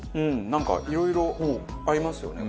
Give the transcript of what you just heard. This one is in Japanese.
なんかいろいろ合いますよね